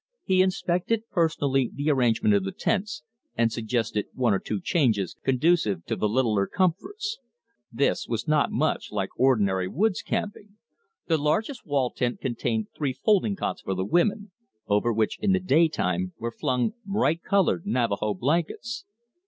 He inspected personally the arrangement of the tents, and suggested one or two changes conducive to the littler comforts. This was not much like ordinary woods camping. The largest wall tent contained three folding cots for the women, over which, in the daytime, were flung bright colored Navajo blankets.